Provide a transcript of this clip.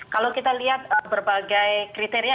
kalau kita lihat berbagai kriteria